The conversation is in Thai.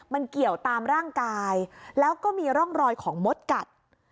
มันเกี่ยวตามร่างกายแล้วก็มีร่องรอยของมดกัด